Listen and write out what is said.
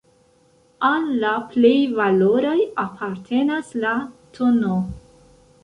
Al la plej valoraj apartenas la tn.